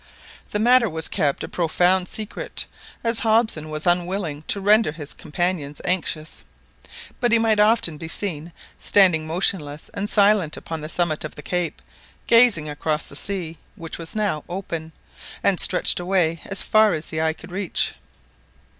The matter was kept a profound secret, as Hobson was unwilling to render his companions anxious. But he might often be seen standing motionless and silent upon the summit of the cape, gazing across the sea, which was now open, and stretched away as far as the eye could reach.